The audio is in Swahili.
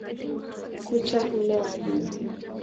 Kucha hula wadudu.